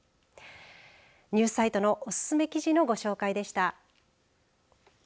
ニュースサイトのおすすめ記事のご紹介でした。